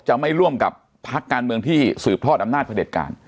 ไม่ร่วมกับพักการเมืองที่สืบทอดอำนาจพระเด็จการ